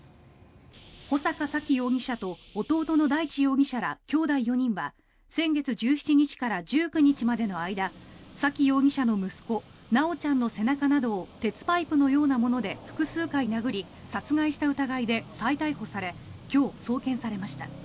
穂坂沙喜容疑者と弟の大地容疑者らきょうだい４人は先月１７日から１９日までの間沙喜容疑者の息子修ちゃんの背中などを鉄パイプのようなもので複数回殴り殺害した疑いで再逮捕され今日、送検されました。